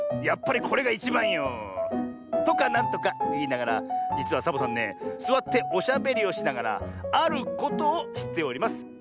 やっぱりこれがいちばんよ。とかなんとかいいながらじつはサボさんねすわっておしゃべりをしながらあることをしております。